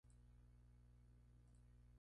La sede del condado es Sioux Falls.